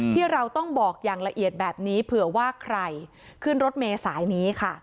ที่เราต้องบอกอย่างละเอียดแบบนี้เผื่อว่าใครขึ้นรถเมษายนี้ค่ะ